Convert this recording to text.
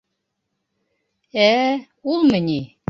Ә, улмы ни...